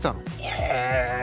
へえ。